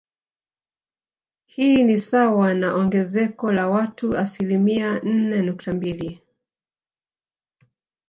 Hii ni sawa na ongezeko la watu asilimia nne nukta mbili